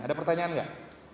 ada pertanyaan enggak